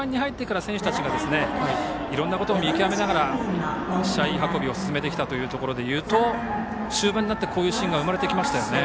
終盤に入ってから選手たちがいろんなことを見極めながら試合運びを進めてきたというところでいうと終盤になってこういうシーンが生まれてきましたよね。